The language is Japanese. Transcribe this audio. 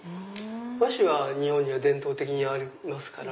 和紙は日本に伝統的にありますから。